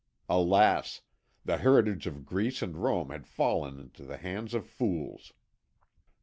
Alas! the heritage of Greece and Rome had fallen into the hands of fools.